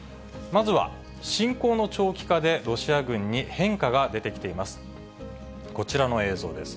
まずは侵攻の長期化で、ロシア軍に変化が出てきています。